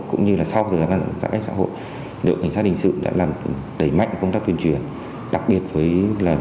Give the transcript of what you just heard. cũng như là sau khi giãn cách xã hội đội cảnh sát hình sự đã đẩy mạnh công tác tuyên truyền